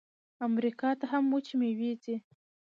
امریکا ته هم وچې میوې ځي.